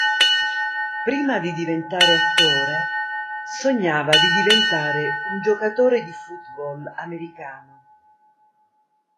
Prima di diventare attore, sognava di diventare un giocatore di football americano.